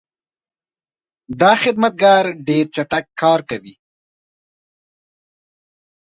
دا خدمتګر ډېر چټک کار کوي.